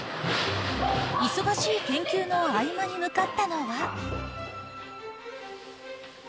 忙しい研究の合間に向かったのは。